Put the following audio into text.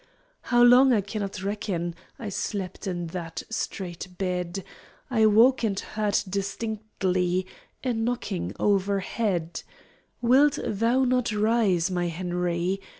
How long I cannot reckon, I slept in that strait bed; I woke and heard distinctly A knocking overhead. "Wilt thou not rise, my Henry?